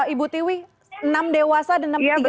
ibu tiwi enam dewasa dan tiga anak